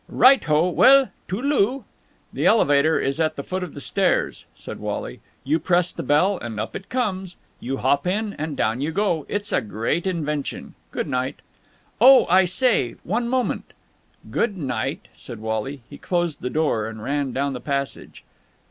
"Right ho! Well, toodle oo!" "The elevator is at the foot of the stairs," said Wally. "You press the bell and up it comes. You hop in and down you go! It's a great invention! Good night!" "Oh, I say. One moment...." "Good night!" said Wally. He closed the door, and ran down the passage.